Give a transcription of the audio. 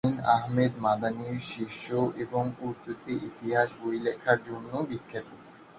তিনি হুসেন আহমদ মাদানির শিষ্য এবং উর্দুতে ইতিহাসের বই লিখার জন্য বিখ্যাত।